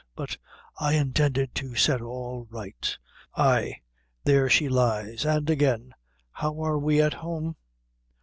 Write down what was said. But I intended to set all right. Ay there she lies. An' again, how are we at home?